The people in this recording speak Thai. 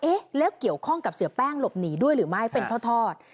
เอ๊ะแล้วเกี่ยวข้องกับเสียแป้งหลบหนีด้วยหรือไม่เป็นทอด